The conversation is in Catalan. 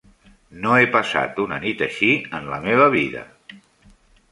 No he passat una nit així en la meva vida!